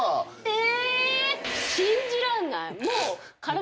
え